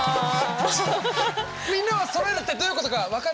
みんなはそろえるってどういうことか分かる？